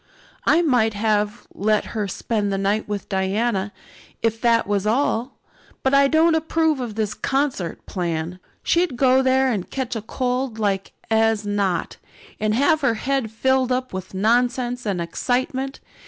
"I might have let her spend the night with Diana, if that was all. But I don't approve of this concert plan. She'd go there and catch cold like as not, and have her head filled up with nonsense and excitement.